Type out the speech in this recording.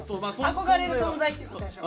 憧れの存在って言うとったでしょ。